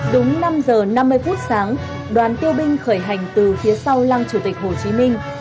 đúng năm giờ năm mươi phút sáng đoàn tiêu binh khởi hành từ phía sau lăng chủ tịch hồ chí minh